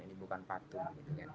ini bukan patuh